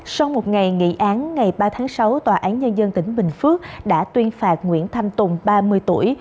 sau một ngày nghị án ngày ba tháng sáu tòa án nhân dân tỉnh bình phước đã tuyên phạt nguyễn thanh tùng ba mươi tuổi